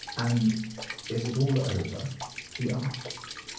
"And is it all over ?" he asked.